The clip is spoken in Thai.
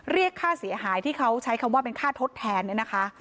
เรียกค่าเสียหายที่เขาใช้คำว่าเป็นค่าทดแทนเนี่ยนะคะ